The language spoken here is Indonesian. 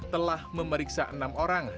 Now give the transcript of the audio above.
telah memeriksa enam orang